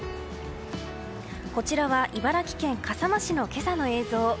こちらは茨城県笠間市の今朝の映像。